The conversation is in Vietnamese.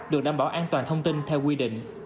được đảm bảo an toàn thông tin theo quy định